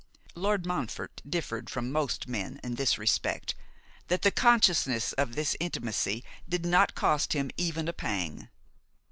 Lord Montfort differed from most men in this respect, that the consciousness of this intimacy did not cost him even a pang.